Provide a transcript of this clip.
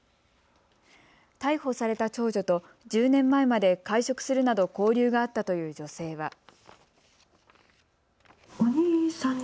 逮捕された長女と１０年前まで会食するなど交流があったという女性は。